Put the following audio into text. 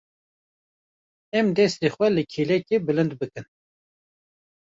Em destên xwe li kêlekê bilind bikin.